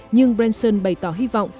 nhưng branson bày tỏ hy vọng